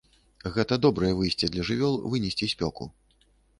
Гэта добрае выйсце для жывёл вынесці спёку.